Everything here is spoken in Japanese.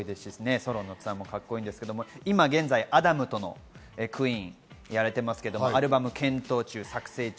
ソロツアーもカッコいいですけど、今、現在アダムとのＱＵＥＥＮやられていますが、アルバム検討中、作成中。